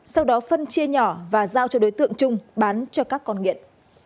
sau đó phân chia nhỏ và giao cho đối tượng trung bán cho các con nghiện